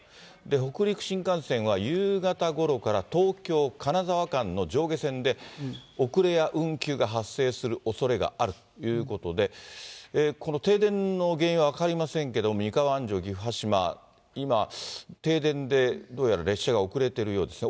北陸新幹線は、夕方ごろから東京・金沢間の上下線で遅れや運休が発生するおそれがあるということで、この停電の原因は分かりませんけど、三河安城・岐阜羽島、今、停電でどうやら列車が遅れているようですね。